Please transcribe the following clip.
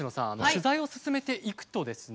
取材を進めていくとですね